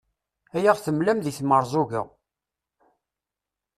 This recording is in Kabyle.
i aɣ-temlam d timerẓuga